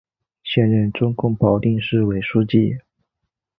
现任中共保定市委书记。